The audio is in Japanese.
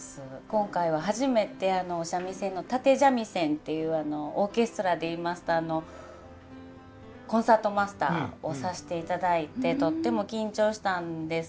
今回は初めて三味線の立三味線ていうオーケストラで言いますとコンサートマスターをさせていただいてとっても緊張したんですけれども。